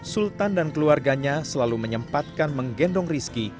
sultan dan keluarganya selalu menyempatkan menggendong rizki